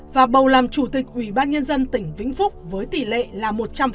và bầu làm chủ tịch ủy ban nhân dân tỉnh vĩnh phúc với tỷ lệ là một trăm linh